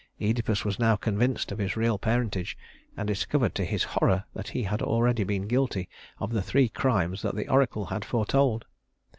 Œdipus was now convinced of his real parentage, and discovered to his horror that he had already been guilty of the three crimes that the oracle had foretold.